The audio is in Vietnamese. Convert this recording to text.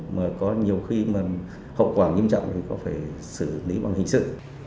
mà có nhiều khi mà hậu quả nghiêm trọng thì có phải xử lý bằng hình sự